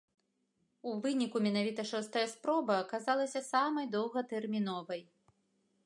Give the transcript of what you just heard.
У выніку менавіта шостая спроба аказалася самай доўгатэрміновай.